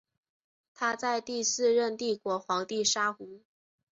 他在第四任帝国皇帝沙胡。